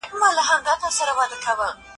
که ته لارښوونه نه سې کولای نو مه یې کوه.